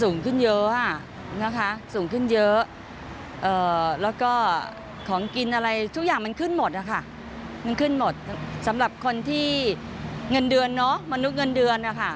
เงินเดือนเนอะมนุษย์เงินเดือนนะคะ